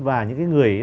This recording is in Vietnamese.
và những cái người ấy